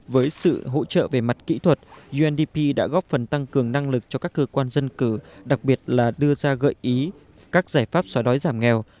với sự hỗ trợ về mặt kỹ thuật undp đã góp phần tăng cường năng lực cho các cơ quan dân cử đặc biệt là đưa ra gợi ý các giải pháp xóa đói giảm nghèo